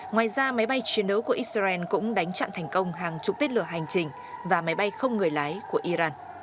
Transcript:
ngoài ra máy bay chiến đấu của israel cũng đánh chặn thành công hàng chục tên lửa hành trình và máy bay không người lái của iran